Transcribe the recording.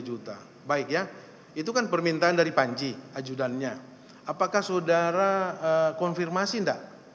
juta baik ya itu kan permintaan dari panji ajudannya apakah saudara konfirmasi enggak